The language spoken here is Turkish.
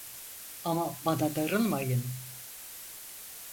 Ama bana darılmayın…